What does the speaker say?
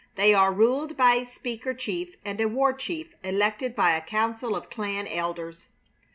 They are ruled by a speaker chief and a war chief elected by a council of clan elders.